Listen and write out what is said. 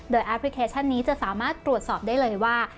แอปพลิเคชันนี้จะสามารถตรวจสอบได้เลยว่า